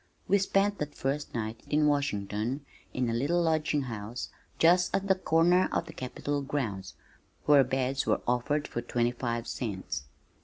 We spent that first night in Washington in a little lodging house just at the corner of the Capitol grounds where beds were offered for twenty five cents.